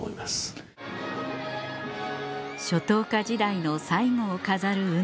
初等科時代の最後を飾る